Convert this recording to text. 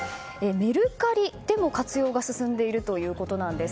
メルカリでも活用が進んでいるということです。